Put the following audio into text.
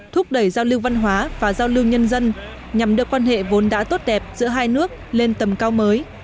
thúc đẩy giao lưu văn hóa và giao lưu nhân dân nhằm đưa quan hệ vốn đã tốt đẹp giữa hai nước lên tầm cao mới